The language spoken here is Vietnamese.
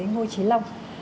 ngô trí long